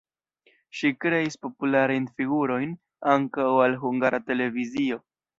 Ŝi kreis popularajn figurojn ankaŭ al Hungara Televizio.